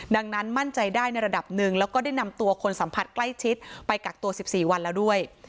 ดังนั้นมั่นใจได้ในระดับหนึ่งแล้วก็ได้นำตัวคนสัมผัสใกล้ชิดไปกักตัว๑๔วันแล้วด้วย